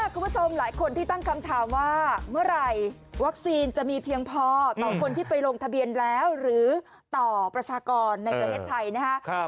คุณผู้ชมหลายคนที่ตั้งคำถามว่าเมื่อไหร่วัคซีนจะมีเพียงพอต่อคนที่ไปลงทะเบียนแล้วหรือต่อประชากรในประเทศไทยนะครับ